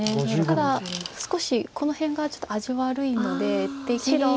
ただ少しこの辺がちょっと味悪いので出切りは。